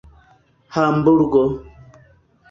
hamburgo